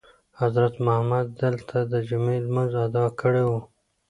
حضرت محمد دلته دجمعې لمونځ ادا کړی وو.